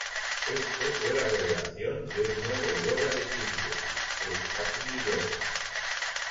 Este fue la revelación de un nuevo "Yoga de Síntesis", el Agni Yoga.